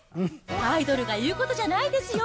アイドルが言うことじゃないですよ。